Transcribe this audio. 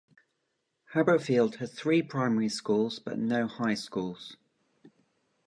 Haberfield has three primary schools but no high schools.